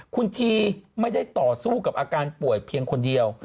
คุณทีไม่ได้ต่อสู้กับอาการป่วยเพียงคนเดียว